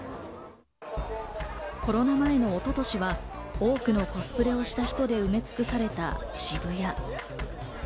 コロナ前の一昨年は多くのコスプレをした人で埋め尽くされた渋谷。